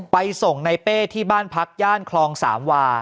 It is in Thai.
ไปส่งในเป้ที่บ้านพักย่านคลองสามวา